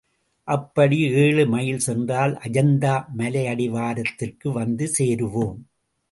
அப்படி ஏழு மைல் சென்றால் அஜந்தா மலையடிவாரத்திற்கு வந்து சேருவோம்.